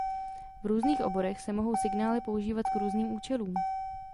V různých oborech se mohou signály používat k různým účelům.